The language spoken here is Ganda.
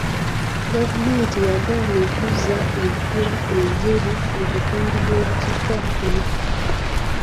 Gavumenti yagaana okuzza enkula enjeru mu bitundu by'obukiikakkono.